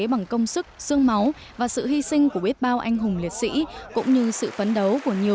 bằng công sức sương máu và sự hy sinh của biết bao anh hùng liệt sĩ cũng như sự phấn đấu của nhiều